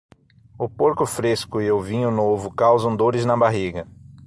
O porco fresco e o vinho novo causam dores na barriga.